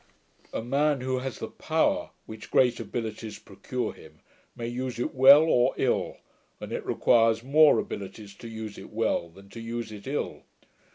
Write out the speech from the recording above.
A man who has the power, which great abilities procure him, may use it well or ill; and it requires more abilities to use it well, than to use it ill.